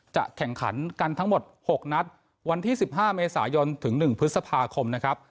จะแข่งขันกันทั้งหมด๖นัดวันที่๑๕เมษายนถึง๑พฤษภาคมนะครับ